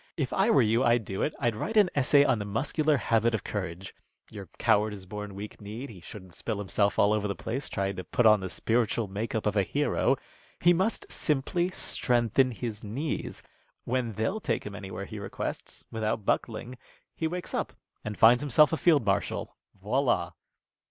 "If I were you, I'd do it. I'd write an essay on the muscular habit of courage. Your coward is born weak kneed. He shouldn't spill himself all over the place trying to put on the spiritual make up of a hero. He must simply strengthen his knees. When they'll take him anywhere he requests, without buckling, he wakes up and finds himself a field marshal. _Voilà!